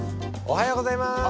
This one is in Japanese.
おはようございます。